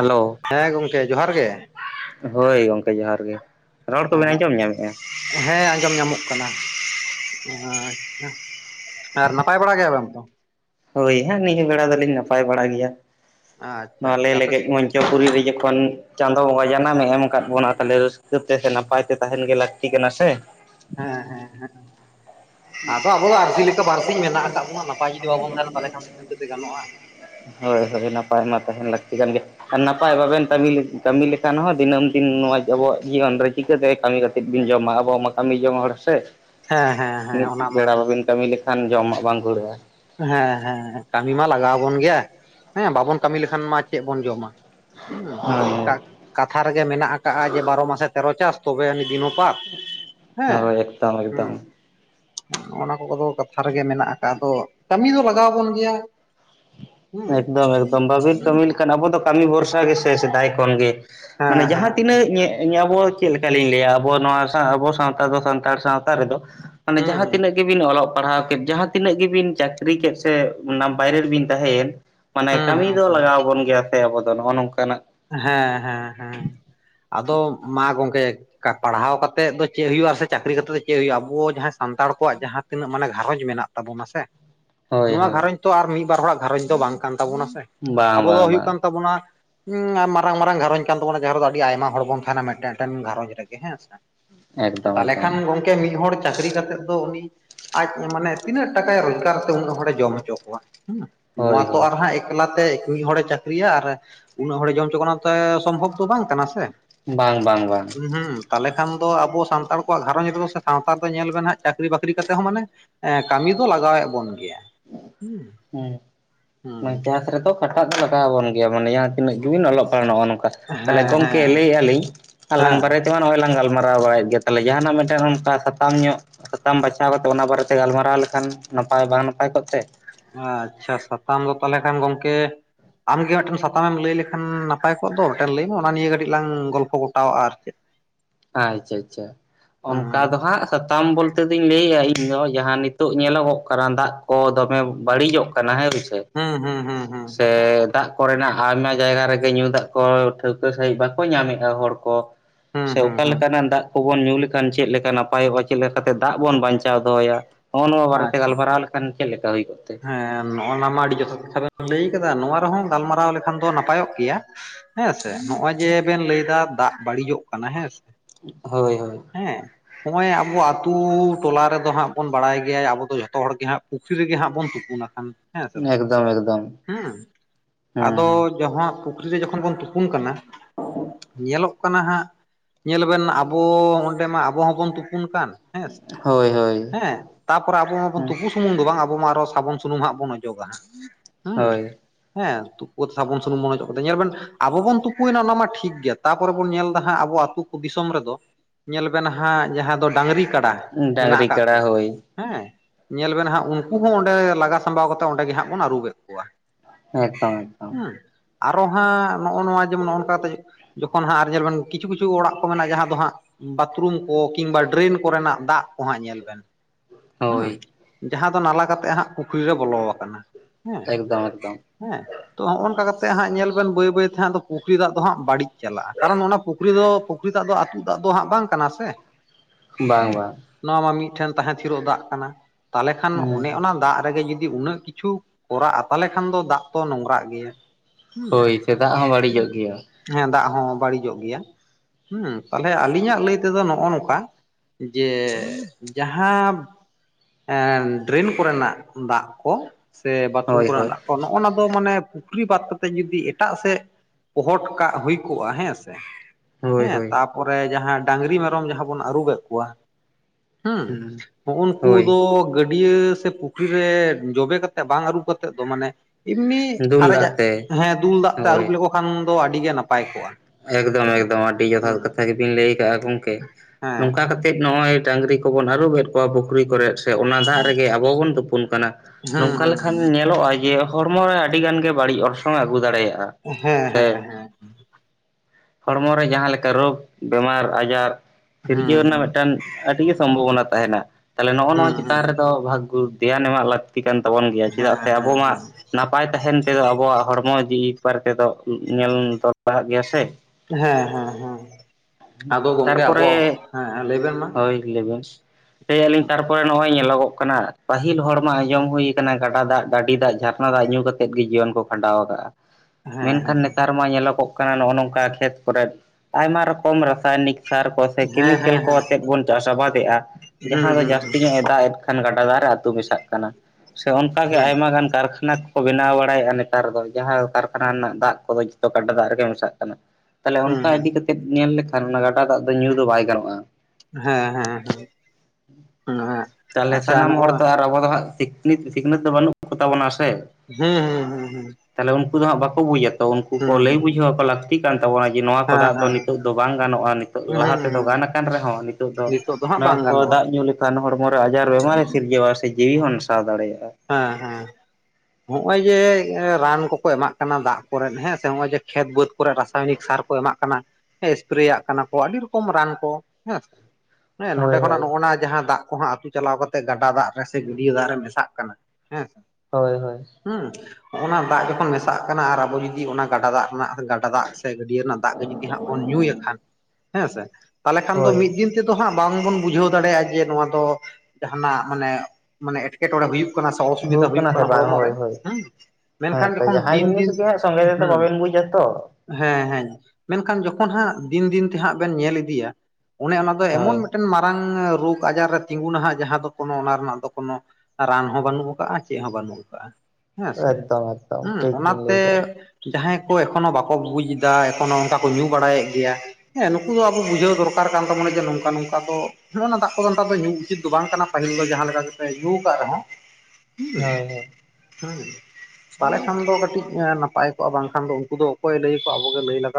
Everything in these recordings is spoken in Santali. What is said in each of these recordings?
ᱦᱮᱞᱳ ᱦᱮᱸ ᱜᱚᱢᱠᱮ ᱡᱚᱦᱟᱨ ᱜᱮ᱾ ᱦᱳᱭ ᱜᱚᱢᱠᱮ ᱡᱚᱦᱟᱨ ᱜᱮ᱾ ᱨᱚᱲ ᱠᱚᱵᱮᱱ ᱮᱦᱚᱸᱜ᱾ ᱟᱸᱡᱚᱢ ᱧᱟᱢᱮᱫᱼᱟ ᱦᱮᱸ ᱟᱸᱡᱚᱢ ᱧᱟᱢᱚᱜ ᱠᱟᱱᱟ᱾ ᱟᱪᱪᱷᱟ᱾ ᱟᱨ ᱱᱟᱯᱟᱭ ᱵᱟᱲᱟ ᱜᱮᱭᱟ ᱵᱮᱱ ᱛᱚ? ᱦᱳᱭ ᱟᱨ ᱱᱤᱭᱟᱹ ᱵᱮᱲᱟ ᱫᱚᱞᱤᱧ ᱱᱟᱯᱟᱭ ᱵᱟᱲᱟ ᱜᱮᱭᱟ᱾ ᱟᱪᱪᱷᱟ ᱱᱚᱶᱟ ᱟᱪᱪᱷᱟ ᱟᱯᱮ ᱞᱮᱞᱮᱜᱮᱡ ᱢᱚᱸᱡᱽ ᱪᱚ ᱯᱩᱨᱤ ᱨᱮ ᱡᱚᱠᱷᱚᱱ ᱪᱟᱸᱫᱚ ᱵᱚᱸᱜᱟ ᱡᱟᱱᱟᱢ ᱮ ᱮᱢ ᱟᱠᱟᱫ ᱵᱚᱱᱟ ᱛᱟᱦᱞᱮ ᱨᱟᱹᱥᱠᱟᱹ ᱛᱮ ᱥᱮ ᱱᱟᱯᱟᱭ ᱛᱮ ᱛᱟᱦᱮᱱ ᱜᱮ ᱞᱟᱹᱠᱛᱤ ᱠᱟᱱᱟ ᱥᱮ? ᱦᱮᱸ, ᱦᱮᱸ, ᱦᱮᱸ᱾ ᱟᱫᱚ ᱟᱵᱚ ᱫᱚ ᱟᱹᱥᱤ ᱞᱮᱠᱟ ᱵᱟᱨᱥᱤᱧ ᱢᱮᱱᱟᱜ ᱟᱠᱟᱫ ᱵᱚᱱᱟ, ᱱᱟᱯᱟᱭ ᱡᱩᱫᱤ ᱵᱟᱵᱚᱱ ᱛᱟᱦᱮᱱᱟ, ᱛᱟᱦᱞᱮ ᱠᱷᱟᱱ ᱫᱚ ᱪᱤᱠᱟᱹᱛᱮ ᱜᱟᱱᱚᱜᱼᱟ? ᱦᱳᱭ, ᱦᱳᱭ, ᱱᱟᱯᱟᱭ ᱢᱟ ᱛᱟᱦᱮᱱ ᱞᱟᱹᱠᱛᱤ ᱠᱟᱱ ᱜᱮ᱾ ᱟᱨ ᱱᱟᱯᱟᱭ ᱵᱟᱵᱮᱱ ᱠᱟᱹᱢᱤ, ᱠᱟᱹᱢᱤ ᱞᱮᱠᱷᱟᱱ ᱦᱚᱸ ᱫᱤᱱᱟᱹᱢ ᱫᱤᱱ ᱱᱚᱶᱟ ᱟᱵᱚᱣᱟᱜ ᱡᱤᱭᱚᱱ ᱨᱮ ᱪᱤᱠᱟᱹᱛᱮ ᱠᱟᱹᱢᱤ ᱠᱟᱛᱮᱫ ᱵᱤᱱ ᱡᱚᱢᱟ, ᱟᱵᱚᱣᱟᱜ ᱢᱟ ᱠᱟᱹᱢᱤ ᱡᱚᱝ ᱦᱚᱲ ᱥᱮ᱾ ᱦᱮᱸ ᱦᱮᱸ᱾ ᱦᱮᱸ ᱢᱤᱫ ᱚᱱᱟ ᱢᱟ ᱵᱮᱲᱟ ᱵᱟᱹᱵᱤᱱ ᱠᱟᱹᱢᱤ ᱞᱮᱠᱷᱟᱱ ᱡᱚᱢᱟᱜ ᱵᱟᱝ ᱠᱩᱲᱟᱹᱜᱼᱟ᱾ ᱦᱮᱸ ᱦᱮᱸ᱾ ᱠᱟᱹᱢᱤ ᱢᱟ ᱞᱟᱜᱟᱣ ᱟᱵᱚᱱ ᱜᱮᱭᱟ᱾ ᱦᱮᱸ, ᱵᱟᱵᱚᱱ ᱠᱟᱹᱢᱤ ᱞᱮᱠᱷᱟᱱ ᱢᱟ ᱪᱮᱫ ᱵᱚᱱ ᱡᱚᱢᱟ? ᱦᱩᱸ᱾ ᱦᱳᱭ ᱠᱟᱛ ᱠᱟᱛᱷᱟ ᱨᱮᱜᱮ ᱢᱮᱱᱟᱜ ᱟᱠᱟᱫᱼᱟ ᱡᱮ ᱵᱟᱨᱚ ᱢᱟᱥᱮ ᱛᱮᱨᱚ ᱪᱟᱥ ᱛᱚᱵᱮ ᱟᱹᱱᱤᱡ ᱫᱤᱱᱚ ᱵᱟᱫᱽ, ᱦᱮᱸ᱾ ᱦᱳᱭ ᱮᱠᱫᱚᱢ ᱦᱩᱸ᱾ ᱮᱠᱫᱚᱢ ᱚᱱᱟ ᱠᱚ ᱠᱚᱫᱚ ᱠᱟᱛᱷᱟ ᱨᱮᱜᱮ ᱢᱮᱱᱟᱜ ᱟᱠᱟᱫ-ᱟ, ᱟᱫᱚ᱾ ᱠᱟᱹᱢᱤ ᱫᱚ ᱞᱟᱜᱟᱣ ᱟᱵᱚᱱ ᱜᱮᱭᱟ᱾ ᱦᱩᱸ ᱮᱠᱫᱚᱢ ᱮᱠᱫᱚᱢ ᱵᱟᱹᱵᱤᱱ ᱦᱩᱸ ᱠᱟᱹᱢᱤ ᱞᱮᱠᱷᱟᱱ, ᱟᱵᱚ ᱫᱚ ᱠᱟᱹᱢᱤ ᱵᱷᱚᱨᱥᱟ ᱜᱮᱥᱮ ᱥᱮᱫᱟᱭ ᱠᱷᱚᱱ ᱜᱮ᱾ ᱦᱮᱸ ᱢᱟᱱᱮ ᱦᱮᱸ ᱡᱟᱦᱟᱸ ᱛᱤᱱᱟᱹᱜ ᱧᱮᱜ ᱧᱟᱵᱚ ᱪᱮᱫ ᱞᱮᱠᱟᱞᱤᱧ ᱞᱟᱹᱭᱟ? ᱟᱵᱚ ᱱᱚᱶᱟ ᱥᱟ ᱟᱵᱚ ᱥᱟᱶᱛᱟ ᱫᱚ ᱥᱟᱱᱛᱟᱲ ᱥᱟᱶᱛᱟ ᱨᱮᱫᱚ ᱢᱟᱱᱮ ᱦᱩᱸ ᱡᱟᱦᱟᱸ ᱦᱩᱸ ᱛᱤᱱᱟᱹᱜ ᱜᱮᱵᱤᱱ ᱚᱞᱚᱜ ᱯᱟᱲᱦᱟᱜ ᱠᱮᱫ, ᱡᱟᱦᱟᱸ ᱛᱤᱱᱟᱹᱜ ᱜᱮᱵᱤᱱ ᱪᱟᱹᱠᱨᱤ ᱠᱮᱫ ᱥᱮ ᱚᱱᱟ ᱵᱟᱭᱨᱮ ᱨᱮᱵᱤᱱ ᱛᱟᱦᱮᱸᱭᱮᱱ ᱢᱟᱱᱮ ᱦᱩᱸ ᱠᱟᱹᱢᱤ ᱦᱩᱸ ᱫᱚ ᱦᱩᱸ ᱞᱟᱜᱟᱣ ᱵᱚᱱ ᱜᱮᱭᱟ ᱥᱮ ᱟᱵᱚ ᱫᱚ ᱱᱚᱜᱼᱚ ᱱᱚᱝᱠᱟᱱᱟᱜ᱾ ᱦᱮᱸ ᱦᱮᱸ ᱦᱮᱸ᱾ ᱟᱫᱚ ᱢᱟ ᱜᱚᱝᱠᱮ ᱠᱟ, ᱯᱟᱲᱦᱟᱣ ᱠᱟᱛᱮᱫ ᱫᱚ ᱪᱮᱫ ᱦᱩᱭᱩᱜᱼᱟ, ᱥᱮ ᱪᱟᱹᱠᱨᱤ ᱠᱟᱛᱮᱜ ᱫᱚ ᱪᱮᱫ ᱦᱩᱭᱩᱜᱼᱟ? ᱟᱵᱚ ᱡᱟᱦᱟᱸᱭ ᱥᱟᱱᱛᱟᱲ ᱠᱚᱣᱟᱜ ᱡᱟᱦᱟᱸ ᱛᱤᱱᱟᱹᱜ ᱢᱟᱱᱮ ᱷᱟᱨᱚᱸᱡᱽ ᱢᱮᱱᱟᱜ ᱛᱟᱵᱚᱱᱟ ᱥᱮ᱾ ᱦᱳᱭ ᱱᱚᱶᱟ ᱦᱳᱭ ᱜᱷᱟᱨᱚᱸᱡᱽ ᱛᱚ ᱟᱨ ᱢᱤᱫ ᱵᱟᱨ ᱦᱚᱲᱟᱜ ᱜᱷᱟᱨᱚᱸᱡᱽ ᱫᱚ ᱵᱟᱝ ᱠᱟᱱ ᱛᱟᱵᱚᱱᱟ ᱥᱮ᱾ ᱵᱟᱝ ᱟᱵᱚ ᱫᱚ ᱵᱟᱝ ᱦᱩᱭᱩᱜ ᱵᱟᱝ ᱠᱟᱱ ᱛᱟᱵᱚᱱᱟ᱾ ᱦᱩᱸ, ᱟᱨ ᱢᱟᱨᱟᱝ ᱢᱟᱨᱟᱝ ᱜᱷᱟᱨᱚᱸᱡᱽ ᱠᱟᱱ ᱛᱟᱵᱚᱱᱟ, ᱡᱟᱦᱟᱸ ᱨᱮᱫᱚ ᱟᱹᱰᱤ ᱟᱭᱢᱟ ᱦᱚᱲ ᱵᱚᱱ ᱛᱟᱦᱮᱱᱟ, ᱢᱤᱫᱴᱮᱱ ᱡᱤᱫᱴᱮᱱ ᱜᱷᱟᱸᱨᱚᱡᱽ ᱨᱮᱜᱮ ᱦᱮᱸᱥᱮ᱾ ᱮᱠᱫᱚᱢ ᱛᱟᱦᱞᱮ ᱮᱠᱫᱚᱢ ᱠᱷᱟᱱ ᱜᱚᱝᱠᱮ ᱢᱤᱫ ᱦᱚᱲ ᱪᱟᱹᱠᱨᱤ ᱠᱟᱛᱮᱫ ᱫᱚ ᱩᱱᱤ ᱟᱡ ᱢᱟᱱᱮ ᱛᱤᱱᱟᱹᱜ ᱴᱟᱠᱟᱭ ᱨᱳᱡᱽᱜᱟᱨ ᱛᱮ ᱩᱱᱟᱹᱜ ᱦᱚᱲ ᱮ ᱡᱚᱢ ᱦᱚᱪᱚ ᱠᱚᱣᱟ᱾ ᱦᱩᱸ᱾ ᱦᱳᱭ ᱱᱚᱶᱟ ᱛᱚ ᱦᱳᱭ ᱟᱨ ᱦᱟᱸᱜ ᱮᱠᱞᱟ ᱛᱮ ᱢᱤᱫ ᱦᱚᱲ ᱮ ᱪᱟᱹᱠᱨᱤᱭᱟ ᱟᱨ ᱩᱱᱟᱹᱜ ᱦᱚᱲ ᱡᱚᱢ ᱦᱚᱪᱚ ᱠᱚ ᱱᱚᱶᱟ ᱛᱮ ᱥᱚᱢᱵᱷᱚᱵᱽ ᱫᱚ ᱵᱟᱝ ᱠᱟᱱᱟ ᱥᱮ? ᱵᱟᱝ ᱵᱟᱝ ᱵᱟᱝ᱾ ᱦᱩᱸ, ᱛᱟᱦᱞᱮ ᱠᱷᱟᱱ ᱫᱚ ᱟᱵᱚ ᱥᱟᱱᱛᱟᱲ ᱠᱚᱣᱟᱜ ᱜᱷᱟᱨᱚᱸᱡᱽ ᱨᱮᱫᱚ ᱥᱮ ᱥᱟᱶᱛᱟ ᱫᱚ ᱧᱮᱞ ᱵᱮᱱ ᱦᱟᱸᱜ ᱪᱟᱹᱠᱨᱤ ᱵᱟᱹᱠᱨᱤ ᱠᱟᱛᱮᱜ ᱦᱚᱸ ᱢᱟᱱᱮ ᱠᱟᱹᱢᱤ ᱫᱚ ᱞᱟᱜᱟᱣᱮᱫ ᱵᱚᱱ ᱜᱮᱭᱟ᱾ ᱦᱩᱸ᱾ ᱱᱚᱶᱟ ᱦᱩᱸ ᱪᱟᱥ ᱨᱮ ᱛᱚ ᱠᱟᱴᱟᱜ ᱛᱚ ᱞᱟᱜᱟᱣ ᱟᱵᱚᱱ ᱜᱮᱭᱟ, ᱢᱟᱱᱮ ᱡᱟᱦᱟᱸ ᱛᱤᱱᱟᱹᱜ ᱜᱮᱵᱮᱱ ᱚᱞᱚᱜ ᱯᱟᱲᱦᱚᱜᱼᱟ ᱱᱚᱝᱠᱟ᱾ ᱛᱟᱦᱞᱮ ᱦᱮᱸ ᱜᱚᱝᱠᱮ ᱦᱮᱸ ᱞᱟᱹᱭᱮᱫᱼᱟ ᱞᱤᱧ ᱟᱞᱟᱝ ᱦᱮᱸ ᱵᱟᱨᱮ ᱠᱤ ᱢᱟ ᱱᱚᱜᱼᱚᱭ ᱞᱟᱝ ᱜᱟᱞᱢᱟᱨᱟᱣ ᱵᱟᱲᱟᱭᱮᱫ ᱜᱮᱭᱟ, ᱛᱟᱦᱞᱮ ᱡᱟᱦᱟᱱᱟᱜ ᱢᱤᱫᱴᱮᱱ ᱚᱱᱠᱟ ᱥᱟᱛᱟᱢ ᱧᱚᱜ ᱥᱟᱛᱟᱢ ᱵᱟᱪᱷᱟᱣ ᱠᱟᱛᱮ ᱚᱱᱟ ᱵᱟᱨᱮ ᱛᱮ ᱜᱟᱞᱢᱟᱨᱟᱣ ᱞᱮᱠᱷᱟᱱ ᱱᱟᱯᱟᱭ ᱵᱟᱝ ᱱᱟᱯᱟᱭ ᱠᱚᱜ ᱛᱮ? ᱟᱪᱪᱷᱟ, ᱥᱟᱛᱟᱢ ᱫᱚ ᱛᱟᱦᱞᱮ ᱠᱷᱟᱱ ᱜᱚᱝᱠᱮ? ᱟᱢ ᱜᱮ ᱢᱤᱫᱴᱮᱱ ᱥᱟᱛᱟᱢ ᱮᱢ ᱞᱟᱹᱭ ᱞᱮᱠᱷᱟᱱ ᱱᱟᱯᱟᱭ ᱠᱚᱜ ᱫᱚ, ᱢᱤᱫᱴᱮᱱ ᱞᱟᱹᱭ ᱢᱮ ᱚᱱᱟ ᱱᱤᱭᱟᱹ ᱠᱟᱹᱴᱤᱡ ᱞᱟᱝ ᱜᱚᱞᱯᱷᱚ ᱜᱚᱴᱟᱣᱟᱜᱼᱟ ᱟᱨ ᱪᱮᱫ? ᱟᱪᱪᱷᱟ ᱟᱪᱪᱷᱟ ᱦᱩᱸ ᱚᱱᱠᱟ ᱫᱚ ᱦᱟᱸᱜ ᱥᱟᱛᱟᱢ ᱵᱚᱞᱛᱮ ᱫᱩᱧ ᱞᱟᱹᱭᱮᱜᱼᱟ ᱤᱧ ᱫᱚ ᱡᱟᱦᱟᱸ ᱱᱤᱛᱚᱜ ᱧᱮᱞᱚᱜᱚᱜ ᱠᱟᱱᱟ ᱫᱟᱜ ᱠᱚ ᱫᱚᱢᱮ ᱵᱟᱹᱲᱤᱡᱚᱜ ᱠᱟᱱᱟ ᱦᱮᱸ ᱥᱮ ᱦᱩᱸ ᱦᱩᱸ ᱦᱩᱸ ᱦᱩᱸ ᱥᱮ ᱫᱟᱜ ᱠᱚᱨᱮᱱᱟᱜ ᱟᱭᱢᱟ ᱡᱟᱭᱜᱟ ᱨᱮᱜᱮ ᱧᱩ ᱫᱟᱜ ᱠᱚ ᱴᱷᱟᱹᱣᱠᱟᱹ ᱥᱟᱺᱦᱤᱡ ᱵᱟᱠᱚ ᱧᱟᱢᱮᱫᱼᱟ ᱦᱚᱲ ᱠᱚ ᱦᱩᱸ ᱥᱮ ᱦᱩᱸ ᱚᱠᱟ ᱦᱩᱸ ᱞᱮᱠᱟᱱᱟᱜ ᱫᱟᱜ ᱠᱚᱵᱚᱱ ᱧᱩ ᱞᱮᱠᱷᱟᱱ ᱪᱮᱫ ᱞᱮᱠᱟ ᱱᱟᱯᱟᱭᱚᱜᱼᱟ ᱪᱮᱫ ᱞᱮᱠᱟᱛᱮ ᱫᱟᱜ ᱵᱚᱱ ᱵᱟᱧᱪᱟᱣ ᱫᱚᱦᱚᱭᱟ ᱱᱚᱜᱼᱚ ᱱᱚᱣᱟ ᱵᱟᱨᱮᱛᱮ ᱟᱪᱪᱷᱟ ᱜᱟᱞᱢᱟᱨᱟᱣ ᱞᱮᱠᱷᱟᱱ ᱪᱮᱫ ᱞᱮᱠᱟ ᱦᱩᱭ ᱠᱚᱜᱛᱮ? ᱦᱮᱸ ᱱᱚᱜᱼᱚᱱᱟ ᱢᱟ ᱟᱹᱰᱤ ᱡᱚᱛᱷᱟᱛ ᱠᱟᱛᱷᱟ ᱵᱮᱱ ᱞᱟᱹᱭ ᱠᱟᱫᱟ ᱱᱚᱣᱟ ᱨᱮᱦᱚᱸ ᱜᱟᱞᱢᱟᱨᱟᱣ ᱞᱮᱠᱷᱟᱱ ᱫᱚ ᱱᱟᱯᱟᱭᱚᱜ ᱜᱮᱭᱟ। ᱦᱮᱸ ᱥᱮ ᱱᱚᱜᱼᱚᱭ ᱡᱮ ᱵᱮᱱ ᱞᱟᱹᱭᱫᱟ ᱫᱟᱜ ᱵᱟᱹᱲᱤᱡᱚᱜ ᱠᱟᱱᱟ ᱦᱮᱸ ᱥᱮ ᱦᱳᱭ ᱦᱳᱭ ᱦᱮᱸ ᱱᱚᱜᱼᱚᱭ ᱟᱵᱚ ᱟᱹᱛᱩᱻ ᱴᱚᱞᱟ ᱨᱮᱫᱚ ᱦᱟᱸᱜ ᱵᱚᱱ ᱵᱟᱲᱟᱭ ᱜᱮᱭᱟ ᱟᱵᱚ ᱫᱚ ᱡᱷᱚᱛᱚ ᱦᱚᱲᱜᱮ ᱦᱟᱸᱜ ᱯᱩᱠᱷᱨᱤ ᱨᱮᱜᱮ ᱦᱟᱸᱜ ᱵᱚᱱ ᱛᱩᱯᱩᱱᱟ ᱠᱷᱟᱱ ᱦᱮᱸ ᱥᱮ ᱵᱟᱝ ᱮᱠᱫᱚᱢ ᱮᱠᱫᱚᱢ ᱦᱮᱸ ᱦᱮᱸ ᱟᱫᱚ ᱦᱮᱸ ᱡᱚᱸᱦᱚᱜ ᱯᱩᱠᱷᱨᱤ ᱨᱮ ᱡᱚᱠᱷᱚᱱ ᱵᱚᱱ ᱛᱩᱯᱩᱱ ᱠᱟᱱᱟ ᱧᱮᱞᱚᱜ ᱠᱟᱱᱟ ᱦᱟᱸᱜ ᱧᱮᱞ ᱵᱮᱱ ᱟᱵᱚ ᱚᱸᱰᱮ ᱢᱟ ᱟᱵᱚ ᱦᱚᱸᱵᱚᱱ ᱛᱩᱯᱩᱱ ᱠᱟᱱ ᱦᱮᱸᱥᱮ ᱦᱳᱭ ᱦᱳᱭ ᱦᱮᱸ ᱛᱟᱯᱚᱨᱮ ᱟᱵᱚ ᱢᱟᱵᱚᱱ ᱦᱮᱸ ᱛᱩᱯᱩ ᱥᱩᱢᱩᱝ ᱫᱚ ᱵᱟᱝ ᱟᱵᱚ ᱢᱟ ᱟᱨᱚᱥ ᱥᱟᱵᱚᱱ ᱥᱩᱱᱩᱢ ᱦᱟᱸᱜ ᱵᱚᱱ ᱚᱡᱚᱜᱟ ᱦᱟᱸᱜ, ᱦᱳᱭ ᱦᱮᱸ ᱛᱩᱯᱩ ᱠᱟᱛᱮ ᱥᱟᱵᱚᱱ ᱥᱩᱱᱩᱢ ᱵᱚᱱ ᱚᱡᱚᱜ ᱠᱟᱫᱟ ᱧᱮᱞ ᱵᱮᱱ ᱟᱵᱚ ᱵᱚᱱ ᱛᱩᱯᱩᱭᱱᱟ ᱚᱱᱟ ᱢᱟ ᱴᱷᱤᱠ ᱜᱮᱭᱟ ᱛᱟᱯᱚᱨᱮ ᱵᱚᱱ ᱧᱮᱞᱫᱟ ᱦᱟᱸᱜ ᱟᱵᱚ ᱟᱹᱛᱩ ᱫᱤᱥᱚᱢ ᱨᱮᱫᱚ ᱧᱮᱞ ᱵᱮᱱ ᱦᱟᱸᱜ ᱡᱟᱦᱟᱸ ᱫᱚ ᱰᱟᱝᱨᱤ ᱠᱟᱰᱟ ᱢᱮᱱᱟᱜ ᱰᱟᱝᱨᱤ ᱟᱠᱟᱫ ᱠᱚ ᱠᱟᱲᱟ ᱦᱳᱭ ᱦᱮᱸ ᱧᱮᱞ ᱵᱮᱱ ᱦᱟᱸᱜ ᱩᱱᱠᱩ ᱦᱚᱸ ᱚᱸᱰᱮ ᱞᱟᱜᱟ ᱥᱟᱸᱵᱟᱣ ᱠᱟᱛᱮ ᱚᱸᱰᱮ ᱜᱮ ᱦᱟᱸᱜ ᱵᱚᱱ ᱟᱹᱨᱩᱵᱮᱫ ᱠᱚᱣᱟ ᱮᱠᱫᱚᱢ ᱮᱠᱫᱚᱢ ᱦᱩᱸ ᱟᱨᱚ ᱦᱟᱸᱜ ᱱᱚᱜᱼᱚ ᱱᱚᱣᱟ ᱡᱮᱢᱚᱱ ᱱᱚᱜᱼᱚ ᱱᱚᱠᱟ ᱠᱟᱛᱮ ᱡᱚᱠᱷᱚᱱ ᱦᱟᱸᱜ ᱟᱨ ᱧᱮᱞ ᱵᱮᱱ ᱠᱤᱪᱷᱩ ᱠᱤᱪᱷᱩ ᱚᱲᱟᱜ ᱠᱚ ᱢᱮᱱᱟᱜᱼᱟ ᱡᱟᱦᱟᱸ ᱫᱚ ᱦᱟᱸᱜ ᱵᱟᱛᱷᱨᱩᱢ ᱠᱚ ᱠᱤᱢᱵᱟ ᱰᱨᱮᱱ ᱠᱚᱨᱮᱱᱟᱜ ᱫᱟᱜ ᱠᱚ ᱦᱟᱸᱜ ᱧᱮᱞ ᱵᱮᱱ ᱦᱚᱸ ᱦᱳᱭ ᱡᱟᱦᱟᱸ ᱫᱚ ᱱᱟᱞᱟ ᱠᱟᱛᱮᱜ ᱦᱟᱸᱜ ᱯᱩᱠᱷᱨᱤ ᱨᱮ ᱵᱚᱞᱚ ᱠᱟᱱᱟ ᱮᱠᱫᱚᱢ ᱮᱠᱫᱚᱢ ᱦᱮᱸ ᱛᱚ ᱱᱚᱜᱼᱚ ᱱᱚᱝᱠᱟ ᱠᱟᱛᱮᱜ ᱦᱟᱸᱜ ᱧᱮᱞ ᱵᱮᱱ ᱵᱟᱹᱭ ᱵᱟᱹᱭ ᱛᱮ ᱦᱟᱸᱜ ᱯᱩᱠᱷᱨᱤ ᱫᱟᱜ ᱫᱚ ᱦᱟᱸᱜ ᱵᱟᱹᱲᱤᱡ ᱪᱟᱞᱟᱜᱼᱟ ᱠᱟᱨᱚᱱ ᱚᱱᱟ ᱯᱩᱠᱷᱨᱤ ᱯᱩᱠᱷᱨᱤ ᱫᱚ ᱯᱩᱠᱷᱨᱤ ᱫᱟᱜ ᱫᱚ ᱟᱹᱛᱩ ᱫᱟᱜ ᱫᱚ ᱦᱟᱸᱜ ᱵᱟᱝ ᱠᱟᱱᱟ ᱥᱮ ᱵᱟᱝ ᱦᱩᱸ ᱵᱟᱝ ᱱᱚᱣᱟ ᱢᱟ ᱢᱤᱫᱴᱷᱮᱱ ᱛᱟᱦᱮᱸ ᱛᱷᱤᱨᱚᱜ ᱫᱟᱜ ᱠᱟᱱᱟ ᱛᱟᱞᱦᱮ ᱠᱷᱟᱱ ᱦᱮᱸ ᱚᱱᱮ ᱚᱱᱟ ᱫᱟᱜ ᱨᱮᱜᱮ ᱡᱩᱫᱤ ᱩᱱᱟᱹᱜ ᱠᱤᱪᱷᱩ ᱠᱚᱨᱟᱜᱼᱟ ᱛᱟᱞᱦᱮ ᱠᱷᱟᱱ ᱫᱚ ᱫᱟᱜ ᱛᱚ ᱱᱚᱝᱨᱟᱜ ᱜᱮᱭᱟ। ᱦᱩᱸ ᱦᱳᱭ ᱥᱮ ᱫᱟᱜ ᱦᱚᱸ ᱦᱩᱸ ᱵᱟᱹᱲᱤᱡᱚᱜ ᱜᱮᱭᱟ ᱦᱮᱸ ᱫᱟᱜ ᱦᱚᱸ ᱵᱟᱹᱲᱤᱡᱚᱜ ᱜᱮᱭᱟ। ᱦᱩᱸ ᱛᱟᱞᱦᱮ ᱟᱹᱞᱤᱧᱟᱜ ᱞᱟᱹᱭ ᱛᱮᱫᱚ ᱱᱚᱜᱼᱚ ᱱᱚᱠᱟ ᱡᱮ ᱡᱟᱦᱟᱸ ᱮᱸ ᱰᱨᱮᱱ ᱠᱚᱨᱮᱱᱟᱜ ᱫᱟᱜ ᱠᱚ ᱥᱮ ᱵᱟᱛᱨᱩᱢ ᱦᱳᱭ ᱠᱚᱨᱮᱱᱟᱜ ᱦᱳᱭ ᱫᱟᱜ ᱠᱚ ᱱᱚᱜᱼᱚᱱᱟ ᱫᱚ ᱢᱟᱱᱮ ᱯᱩᱠᱷᱨᱤ ᱵᱟᱫ ᱠᱟᱛᱮᱫ ᱡᱩᱫᱤ ᱮᱴᱟᱜ ᱥᱮᱫ ᱯᱚᱦᱚᱴ ᱠᱟᱜ ᱦᱩᱭ ᱠᱚᱜᱼᱟ ᱦᱮᱸ ᱥᱮ ᱦᱳᱭ ᱦᱮᱸ ᱦᱳᱭ ᱛᱟᱨᱯᱚᱨᱮ ᱡᱟᱦᱟᱸ ᱰᱟᱝᱨᱤ ᱢᱮᱨᱚᱢ ᱡᱟᱦᱟᱸ ᱵᱚᱱ ᱟᱹᱨᱩᱵᱮᱫ ᱠᱚᱣᱟ ᱦᱩᱸ ᱦᱮᱸ ᱦᱩᱸᱜᱼᱩᱱᱠᱩ ᱦᱳᱭ ᱫᱚ ᱜᱟᱹᱰᱭᱟᱹ ᱥᱮ ᱯᱩᱠᱷ ᱯᱩᱠᱷᱨᱤ ᱨᱮ ᱡᱚᱵᱮ ᱠᱟᱛᱮᱫ ᱵᱟᱝ ᱟᱹᱨᱩᱵ ᱠᱟᱛᱮᱫ ᱫᱚ ᱢᱟᱱᱮᱼᱼ ᱮᱢᱱᱤ ᱫᱩᱞ ᱟᱨᱮᱡᱟᱜ ᱫᱟᱜ ᱛᱮ ᱦᱮᱸ ᱫᱩᱞ ᱫᱟᱜ ᱛᱮ ᱟᱹᱨᱩᱵ ᱦᱳᱭ ᱞᱮᱠᱚ ᱠᱷᱟᱱ ᱫᱚ ᱟᱹᱰᱤ ᱜᱮ ᱱᱟᱯᱟᱭ ᱠᱚᱜᱼᱟ। ᱮᱠᱫᱚᱢ ᱮᱠᱫᱚᱢ ᱟᱹᱰᱤ ᱦᱩᱸ ᱡᱚᱛᱷᱟᱛ ᱠᱟᱛᱷᱟ ᱜᱮᱵᱤᱱ ᱞᱟᱹᱭ ᱟᱠᱟᱜᱼᱟ ᱜᱚᱝᱠᱮ ᱦᱮᱸ ᱱᱚᱝᱠᱟ ᱠᱟᱛᱼᱼ ᱠᱟᱛᱮᱫ ᱱᱚᱜᱼᱚᱭ ᱰᱟᱝᱨᱤ ᱠᱚᱵᱚᱱ ᱟᱹᱨᱩᱵᱮᱫ ᱠᱚᱣᱟ ᱯᱩᱠᱷᱨᱤ ᱠᱚᱨᱮᱫ ᱥᱮ ᱚᱱᱟ ᱫᱟᱜ ᱨᱮᱜᱮ ᱟᱵᱚ ᱵᱚᱱ ᱛᱩᱯᱩᱱ ᱠᱟᱱᱟ ᱦᱩᱸ ᱱᱚᱝᱠᱟ ᱦᱩᱸ ᱞᱮᱠᱷᱟᱱ ᱧᱮᱞᱚᱜᱼᱟ ᱡᱮᱼᱼ ᱦᱚᱲᱢᱚ ᱨᱮ ᱟᱹᱰᱤ ᱜᱟᱱ ᱜᱮ ᱵᱟᱹᱲᱤᱡ ᱚᱨᱥᱚᱝ ᱮ ᱟᱹᱜᱩ ᱫᱟᱲᱮᱭᱟᱜᱼᱟ ᱦᱮᱸ ᱥᱮ ᱦᱮᱸ ᱦᱮᱸ ᱦᱚᱲᱢᱚ ᱨᱮ ᱡᱟᱦᱟᱸ ᱞᱮᱠᱟ ᱨᱳᱜᱽ ᱵᱮᱢᱟᱨ ᱟᱡᱟᱨ ᱦᱮᱸ ᱥᱤᱨᱡᱟᱹᱣ ᱨᱮᱱᱟᱜ ᱦᱮᱸ ᱢᱤᱫᱴᱟᱝ ᱟᱹᱰᱤᱜᱮ ᱥᱚᱢᱵᱷᱚᱵᱚᱱᱟ ᱛᱟᱦᱮᱱᱟ ᱛᱟᱦᱞᱮ ᱱᱚᱜᱼᱚ ᱦᱩᱸ ᱱᱚᱣᱟ ᱦᱩᱸ ᱪᱮᱛᱟᱱ ᱨᱮᱫᱚ ᱵᱷᱟᱜᱜᱚ ᱫᱷᱮᱭᱟᱱ ᱮᱢᱟᱜ ᱞᱟᱹᱠᱛᱤ ᱞᱟᱹᱠᱛᱤ ᱠᱟᱱ ᱛᱟᱵᱚᱱ ᱜᱮᱭᱟ ᱦᱮᱸ ᱪᱮᱫᱟᱜ ᱥᱮ ᱦᱮᱸ ᱟᱵᱚ ᱦᱮᱸ ᱢᱟ ᱱᱟᱯᱟ ᱱᱟᱯᱟᱭ ᱛᱟᱦᱮᱱ ᱛᱮᱫᱚ ᱟᱵᱚᱣᱟᱜ ᱦᱚᱲᱢᱚ ᱡᱤᱣᱤᱫ ᱵᱟᱨᱮ ᱛᱮᱫᱚ ᱧᱮᱞ ᱫᱚᱨᱠᱟᱜ ᱜᱮᱭᱟ ᱥᱮ ᱾ ᱦᱮᱸ ᱦᱮᱸ ᱦᱮᱸ ᱟᱫᱚ ᱜᱚᱝᱠᱮ ᱟᱵᱚ ᱦᱮᱸ ᱞᱟᱹᱭᱵᱮᱱ ᱢᱟ ᱾ ᱞᱟᱹᱭ ᱵᱮᱱ ᱮᱸ ᱟᱹᱞᱤᱧ ᱛᱟᱨᱯᱚ ᱯᱚᱨᱮ ᱱᱚᱜᱼᱚᱭ ᱧᱮᱞᱚᱜᱚᱜ ᱠᱟᱱᱟ ᱯᱟᱹᱦᱤᱞ ᱦᱚᱲ ᱢᱟ ᱟᱸᱡᱚᱢ ᱦᱩᱭ ᱟᱠᱟᱱᱟ ᱜᱟᱰᱟ ᱫᱟᱜ ᱰᱟᱹᱰᱤ ᱫᱟᱜ ᱡᱷᱟᱨᱱᱟ ᱫᱟᱜ ᱧᱩ ᱠᱟᱛᱮᱮᱫ ᱜᱮ ᱡᱤᱭᱚᱱ ᱠᱚ ᱠᱷᱟᱸᱰᱟᱣ ᱠᱟᱜᱼᱟ ᱦᱮᱸ ᱢᱮᱱᱠᱷᱟᱱ ᱱᱮᱛᱟᱨ ᱢᱟ ᱧᱮᱞᱚᱜᱚᱜ ᱠᱟᱱᱟ ᱱᱚᱜᱼᱚ ᱱᱚᱝᱠᱟ ᱠᱷᱮᱛ ᱠᱚᱨᱮᱮᱫ ᱟᱭᱢᱟ ᱨᱚᱠᱚᱢ ᱨᱚᱠᱚᱢ ᱨᱟᱥᱟᱭᱱᱤᱠ ᱥᱟᱨ ᱠᱚ ᱥᱮ ᱦᱮᱸ ᱦᱮᱸ ᱠᱮᱢᱤᱠᱮᱞ ᱦᱮᱸ ᱠᱚ ᱦᱮᱸ ᱟᱛᱮᱮᱫ ᱵᱚᱱ ᱪᱟᱥ ᱟᱵᱟᱫᱮᱜᱼᱟ ᱡᱟᱦᱟᱸ ᱦᱩᱸ ᱫᱚ ᱦᱩᱸ ᱡᱟᱹᱥᱛᱤ ᱧᱚᱜ ᱮ ᱫᱟᱜ ᱮᱫ ᱠᱷᱟᱱ ᱜᱟᱰᱟ ᱫᱟᱜᱨᱮ ᱟᱹᱛᱩ ᱢᱮᱥᱟᱜ ᱠᱟᱱᱟ ᱥᱮ ᱚᱱᱠᱟᱜ ᱜᱮ ᱦᱩᱸ ᱟᱭᱢᱟ ᱜᱟᱱ ᱠᱟᱨᱠᱷᱟᱱᱟ ᱠᱚ ᱵᱮᱱᱟᱣ ᱵᱟᱲᱟᱭᱮᱫᱼᱟ ᱱᱮᱛᱟᱨ ᱫᱚ ᱡᱟᱦᱟᱸ ᱠᱟᱨᱠᱷᱟᱱᱟ ᱨᱮᱱᱟᱜ ᱫᱟᱜ ᱠᱚᱫᱚ ᱡᱚᱛᱚ ᱜᱟᱰᱟ ᱫᱟᱜ ᱨᱮᱜᱮ ᱢᱮᱥᱟᱜ ᱠᱟᱱᱟ ᱾ ᱛᱟᱦᱚᱞᱮ ᱚᱱᱠᱟ ᱦᱩᱸ ᱤᱫᱤ ᱠᱟᱛᱮ ᱧᱮᱞ ᱞᱮᱠᱷᱟᱱ ᱚᱱᱟ ᱜᱟᱰᱟ ᱫᱟᱜ ᱫᱚ ᱧᱩ ᱫᱚ ᱵᱟᱭ ᱜᱟᱱᱚᱜᱼᱟ ᱾ ᱦᱮᱸ ᱦᱮᱸ ᱦᱮᱸ ᱾ ᱛᱟᱦᱚᱞᱮ ᱥᱟᱱᱟᱢ ᱦᱚᱲ ᱱᱚᱜᱼᱚᱭ ᱛᱚ ᱟᱨ ᱟᱵᱚ ᱫᱚ ᱦᱟᱸᱜ ᱥᱤᱠᱷᱹ ᱥᱤᱠᱷᱱᱟᱹᱛ ᱫᱚ ᱵᱟᱹᱱᱩᱜ ᱠᱚᱛᱟ ᱵᱚᱱᱟ ᱥᱮ ᱾ ᱦᱮᱸ ᱦᱮᱸ ᱦᱮᱸ ᱦᱮᱸ ᱛᱟᱦᱚᱞᱮ ᱩᱱᱠᱩ ᱫᱚ ᱦᱟᱸᱜ ᱵᱟᱠᱚ ᱵᱩᱡᱟ ᱛᱚ ᱩᱱᱠᱩ ᱠᱚ ᱦᱩᱸ ᱞᱟᱹᱭ ᱵᱩᱡᱷᱟᱹᱣ ᱣᱟᱠᱚ ᱞᱟᱹᱠᱛᱤ ᱠᱟᱱ ᱛᱟᱵᱚᱱᱟ ᱡᱮ ᱱᱚᱣᱟ ᱠᱚ ᱦᱮᱸ ᱫᱟᱜ ᱫᱚ ᱦᱮᱸ ᱱᱤᱛᱚᱜ ᱫᱚ ᱵᱟᱝ ᱜᱟᱱᱚᱜᱼᱟ ᱱᱤᱛᱚᱜ ᱦᱩᱸ ᱞᱟᱦᱟ ᱛᱮᱫᱚ ᱦᱩᱸ ᱜᱟᱱ ᱟᱠᱟᱱ ᱨᱮᱦᱚᱸ ᱱᱤᱛᱚᱜ ᱫᱚ ᱦᱟᱸᱜ ᱱᱚᱣᱟ ᱵᱟᱝ ᱠᱚ ᱜᱟᱱᱚᱜᱼᱟ ᱫᱟᱜ ᱧᱩ ᱞᱮᱠᱟ ᱠᱷᱟᱱ ᱦᱚᱲᱢᱚ ᱨᱮ ᱟᱡᱟᱨ ᱵᱮᱤᱢᱟᱨᱮ ᱥᱤᱨᱡᱟᱹᱜᱼᱟ ᱥᱮ ᱡᱤᱣᱤ ᱦᱚᱸ ᱱᱟᱥᱟᱣ ᱫᱟᱲᱮᱭᱟᱜᱼᱟ ᱾ ᱦᱮᱸ ᱦᱮᱸ ᱾ ᱱᱚᱜ ᱚᱭ ᱡᱮ ᱨᱟᱱ ᱠᱚᱠᱚ ᱮᱢᱟᱜ ᱠᱟᱱᱟ ᱫᱟᱜ ᱠᱚᱨᱮ ᱦᱮᱸ ᱥᱮ ᱱᱚᱜ ᱚᱭ ᱡᱮ ᱠᱷᱮᱛ ᱵᱟᱹᱫᱽ ᱠᱚᱨᱮ ᱨᱟᱥᱟᱭᱚᱱᱤᱠ ᱥᱟᱨ ᱠᱚ ᱠᱚ ᱮᱢᱟᱜ ᱠᱟᱱᱟ ᱮᱥᱯᱨᱮᱭᱟᱜ ᱠᱟᱱᱟ ᱠᱚ ᱟᱹᱰᱤ ᱨᱚᱠᱚᱢ ᱨᱟᱱ ᱠᱚ ᱦᱮᱸ ᱥᱮ, ᱦᱮᱸ ᱱᱚᱰᱮ ᱦᱳᱭ ᱠᱷᱚᱱᱟᱜ ᱦᱳᱭ ᱱᱚᱜᱼᱚ ᱱᱟ ᱡᱟᱦᱟᱸ ᱫᱟᱜ ᱠᱚ ᱦᱟᱸᱜ ᱟᱹᱛᱩ ᱪᱟᱞᱟᱣ ᱠᱟᱛᱮᱜ ᱜᱟᱰᱟ ᱫᱟᱜ ᱨᱮ ᱥᱮ ᱜᱟᱹᱰᱭᱟᱹ ᱫᱟᱜ ᱨᱮ ᱢᱮᱥᱟᱜ ᱠᱟᱱᱟ ᱦᱮᱸ ᱥᱮ ᱦᱳᱭ ᱦᱳᱭ ᱾ ᱦᱩᱸ ᱱᱚᱜᱼᱱᱟ ᱫᱟᱜ ᱡᱚᱠᱷᱚᱱ ᱢᱮᱥᱟᱜ ᱠᱟᱱᱟ ᱟᱨ ᱟᱵᱚ ᱡᱩᱫᱤ ᱚᱱᱟ ᱜᱟᱰᱟ ᱫᱟᱜ ᱨᱮᱱᱟᱜ ᱜᱟᱰᱟ ᱫᱟᱜ ᱥᱮ ᱜᱟᱹᱰᱭᱟᱹ ᱨᱮᱱᱟᱜ ᱫᱟᱜ ᱜᱮ ᱡᱩᱫᱤ ᱦᱟᱸᱜ ᱵᱚᱱ ᱧᱩᱭ ᱮᱫ ᱠᱷᱟᱱ ᱦᱮᱸᱥᱮ ᱛᱟᱦᱚᱞᱮ ᱠᱷᱟᱱ ᱫᱚ ᱦᱳᱭ ᱢᱤᱫ ᱫᱤᱱ ᱛᱮᱫᱚ ᱦᱟᱸᱜ ᱵᱟᱝᱵᱚᱱ ᱵᱩᱡᱷᱟᱹᱣ ᱫᱟᱲᱮᱭᱟᱜᱼᱟ ᱡᱮ ᱱᱚᱣᱟ ᱫᱚ ᱡᱟᱦᱟᱱᱟᱜ ᱢᱟᱱᱮ ᱢᱟᱱᱮ ᱮᱴᱠᱮᱴᱚᱬᱮ ᱦᱩᱭᱩᱜ ᱠᱟᱱᱟ ᱥᱮ ᱚᱥᱩᱵᱤᱫᱟ ᱦᱩᱭᱩᱜ ᱥᱮ ᱠᱟᱱᱟ ᱵᱟᱝ ᱦᱚᱲᱢᱚ ᱦᱳᱭ ᱨᱮ ᱦᱳᱭ ᱦᱩᱸ ᱦᱮᱸ ᱢᱮᱱᱠᱷᱟᱱ ᱛᱚ ᱡᱚᱠᱷᱚᱱ ᱡᱟᱦᱟᱸ ᱫᱤᱱ ᱡᱤᱱᱤᱥ ᱫᱤᱱ ᱜᱮ ᱦᱟᱸᱜ ᱥᱚᱸᱜᱮ ᱛᱮᱫᱚ ᱦᱩᱸ ᱵᱟᱵᱮᱱ ᱵᱩᱡᱟ ᱛᱚ ᱦᱮᱸ ᱦᱮᱸ ᱢᱮᱱᱠᱷᱟᱱ ᱡᱚᱠᱷᱚᱱ ᱦᱟᱸᱜ ᱫᱤᱱ ᱫᱤᱱ ᱛᱮ ᱦᱟᱸᱜ ᱵᱮᱱ ᱧᱮᱞ ᱤᱫᱤᱭᱟ ᱚᱱᱮ ᱚᱱᱟ ᱫᱚ ᱮᱢᱚᱱ ᱦᱳᱭ ᱢᱤᱫᱴᱮᱱ ᱢᱟᱨᱟᱝ ᱨᱩᱜ ᱳᱜᱽ ᱟᱡᱟᱨ ᱨᱮ ᱛᱤᱸᱜᱩ ᱱᱟᱦᱟᱜ ᱡᱟᱦᱟᱸ ᱫᱚ ᱠᱚᱱᱳ ᱚᱱᱟ ᱨᱮᱱᱟᱜ ᱫᱚ ᱠᱳᱱᱳ ᱨᱟᱱ ᱦᱚᱸ ᱵᱟᱹᱱᱩᱜ ᱠᱟᱜᱼᱟ ᱪᱮᱫ ᱦᱚᱸ ᱵᱟᱹᱱᱩᱜ ᱠᱟᱜᱼᱟ ᱦᱮᱸᱥᱮ ᱮᱠᱫᱚᱢ ᱾ ᱮᱠᱫᱚᱢ ᱦᱩᱸ ᱴᱷᱤᱠ ᱵᱤᱱ ᱚᱱᱟᱛᱮ ᱞᱟᱹᱭ ᱠᱟᱜᱼᱟ ᱡᱟᱦᱟᱸᱭ ᱠᱚ ᱮᱠᱷᱚᱱ ᱦᱚᱸ ᱵᱟᱠᱚ ᱵᱩᱡ ᱮᱫᱟ ᱮᱠᱷᱚᱱ ᱦᱚᱸ ᱚᱱᱠᱟ ᱠᱚ ᱧᱩ ᱵᱟᱲᱟᱭᱮᱫ ᱜᱮᱭᱟ ᱦᱮᱸ ᱱᱩᱠᱩ ᱫᱚ ᱟᱵᱚ ᱵᱩᱡᱷᱟᱹᱣ ᱫᱚᱨᱠᱟᱨ ᱠᱟᱱ ᱛᱟᱵᱚᱱᱟ ᱡᱮ ᱱᱚᱝᱠᱟ ᱱᱚᱝᱠᱟ ᱫᱚ ᱱᱚ ᱱᱚᱣᱟ ᱫᱟᱜ ᱠᱚᱫᱚ ᱱᱮᱛᱟᱨ ᱫᱚ ᱧᱩ ᱩᱪᱤᱛ ᱫᱚ ᱵᱟᱝ ᱠᱟᱱᱟ, ᱯᱟᱹᱦᱤᱞ ᱫᱚ ᱡᱟᱦᱟᱸ ᱞᱮᱠᱟ ᱜᱮᱯᱮ ᱧᱩ ᱟᱠᱟᱫ ᱨᱮᱦᱚᱸ, ᱦᱳᱭ ᱦᱳᱭ [unintelligible] ᱦᱮᱸ ᱛᱟᱦᱞᱮ ᱠᱷᱟᱱ ᱫᱚ ᱠᱟᱹᱴᱤᱡ ᱮ ᱱᱟᱯᱟᱭ ᱠᱚᱜᱼᱟ ᱵᱟᱝᱠᱷᱟᱱ ᱫᱚ ᱩᱱᱠᱩ ᱫᱚ ᱚᱠᱚᱭᱮ ᱞᱟᱹᱭ ᱟᱠᱚᱣᱟ ᱟᱵᱚᱜ ᱜᱮ ᱞᱟᱹᱭ ᱞᱟᱹᱠ